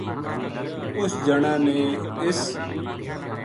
اُس جنا نے اِس